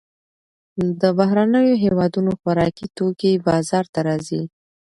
د بهرنیو هېوادونو خوراکي توکي بازار ته راځي.